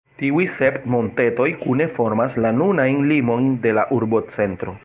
Tiuj sep montetoj kune formas la nunajn limojn de la urbocentro.